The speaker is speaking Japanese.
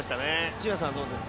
柴田さんどうですか？